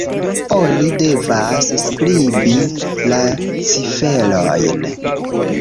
Oni devas skribi la ciferojn